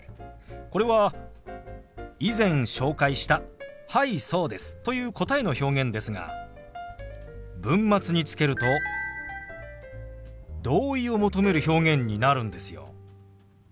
これは以前紹介した「はいそうです」という答えの表現ですが文末につけると同意を求める表現になるんですよ。